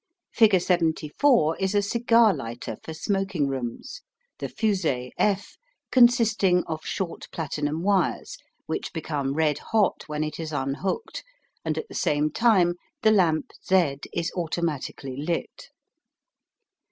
Figure 74 is a cigar lighter for smoking rooms, the fusee F consisting of short platinum wires, which become red hot when it is unhooked, and at the same time the lamp Z is automatically lit.